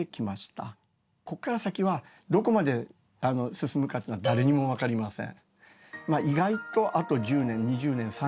ここから先はどこまで進むかっていうのは誰にも分かりません。